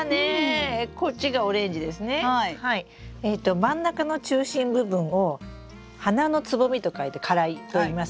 真ん中の中心部分を「花の蕾」と書いて花蕾といいます。